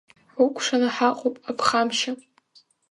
Ҳукәшаны ҳаҟоуп, аԥхамшьа!